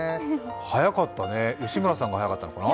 早かったね、吉村さんが早かったのかな。